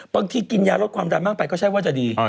กินยาลดความดันมากไปก็ใช่ว่าจะดี